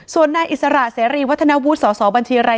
ส่วนในอิสระแสรีวัฒนวุฒิสอสอบัญชีอะไร